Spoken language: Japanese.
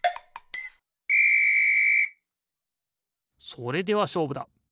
それではしょうぶだ。